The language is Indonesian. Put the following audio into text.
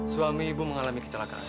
suami ibu mengalami kecelakaan